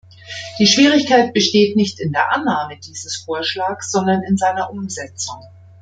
Die Schwierigkeit besteht nicht in der Annahme dieses Vorschlags, sondern in seiner Umsetzung.